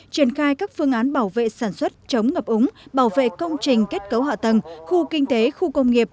triển khai các phương án bảo vệ sản xuất chống ngập úng bảo vệ công trình kết cấu hạ tầng khu kinh tế khu công nghiệp